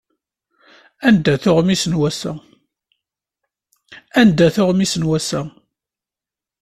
Anda-t uɣmis n wass-a?